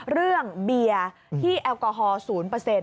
เรื่องเบียร์ที่แอลกอฮอล๐